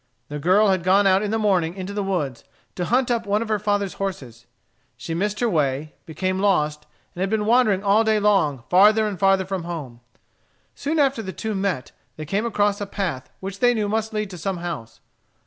The girl had gone out in the morning into the woods, to hunt up one of her father's horses. She missed her way, became lost, and had been wandering all day long farther and farther from home. Soon after the two met they came across a path which they knew must lead to some house.